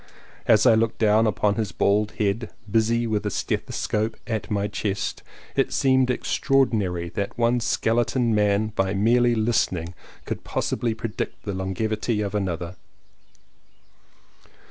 As I looked down upon his bald head, busy with a stethoscope at my chest, it seemed extraordinary that one skeleton man by merely listening could possibly predict the longevity of another.